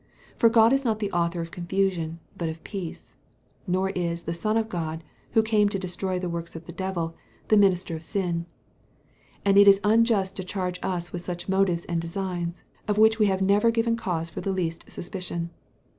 "For God is not the author of confusion, but of peace;" nor is "the Son of God," who came to "destroy the works of the devil, the minister of sin." And it is unjust to charge us with such motives and designs, of which we have never given cause for the least suspicion.